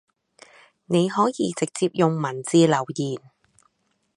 你可以直接用文字留言